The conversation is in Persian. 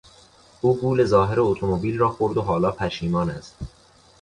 او گول ظاهر اتومبیل را خورد و حالا پشیمان است.